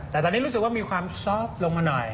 แต่ตอนนี้รู้สึกว่ามีความซอฟต์ลงมาหน่อย